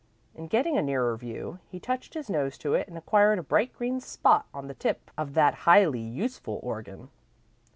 In getting a nearer view, he touched his nose to it and acquired a bright green spot on the tip of that highly useful organ.